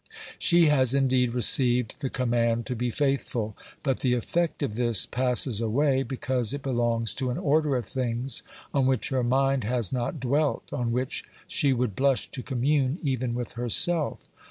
She has indeed received the command to be faithful, but the effect of this passes away, because it belongs to an order of things on which her mind has not dwelt, on which she would blush to commune even with herself.